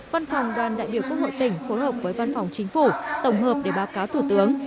văn phòng đoàn đại biểu quốc hội tỉnh phối hợp với văn phòng chính phủ tổng hợp để báo cáo thủ tướng